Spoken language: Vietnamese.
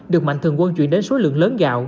được mạnh thường quân chuyển đến số lượng lớn gạo